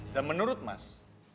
dan menurut mas